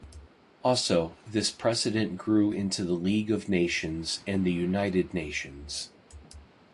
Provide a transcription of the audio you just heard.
Also, this precedent grew into the League of Nations and the United Nations.